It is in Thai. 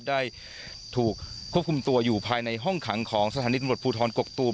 ได้ถูกควบคุมตัวอยู่ภายในห้องขังของสถานีตำรวจภูทรกกตูม